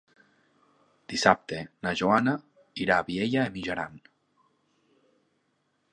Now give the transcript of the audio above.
Dissabte na Joana irà a Vielha e Mijaran.